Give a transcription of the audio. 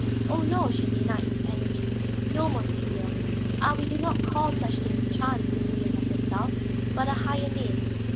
"Oh, no," she denied with energy. "No, monseigneur. Ah, we do not call such things chance, we women of the South, but a higher name!